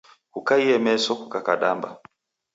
Kukaie meso kukakadamba.